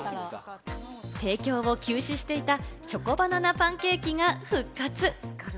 提供を休止していたチョコバナナパンケーキが復活。